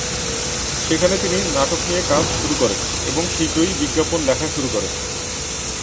সেখানে তিনি নাটক নিয়ে কাজ শুরু করেন এবং শীঘ্রই বিজ্ঞাপন লেখা শুরু করেন।